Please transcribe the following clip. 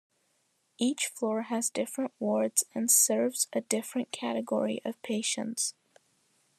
Each floor has different wards and serves a different category of patients.